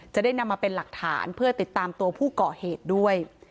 จะได้นำมาเป็นหลักฐานเพื่อติดตามตัวผู้ก่อเหตุด้วย